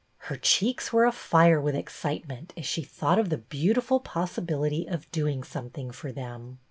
Her cheeks were | afire with excitement as she thouafht of the 1 beautiful possibility of doing something for | them.